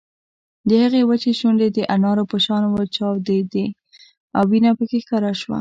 د هغې وچې شونډې د انارو په شان وچاودېدې او وينه پکې ښکاره شوه